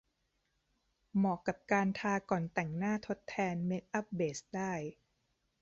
เหมาะกับการทาก่อนแต่งหน้าทดแทนเมคอัพเบสได้